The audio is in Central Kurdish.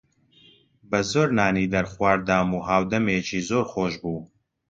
بە زۆر نانی دەرخوارد دام و هاودەمێکی زۆر خۆش بوو